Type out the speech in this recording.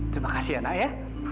terima kasih anak ya